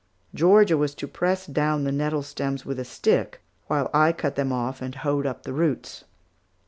Georgia was to press down the nettle stems with a stick, while I cut them off and hoed up the roots.